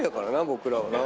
僕らはな。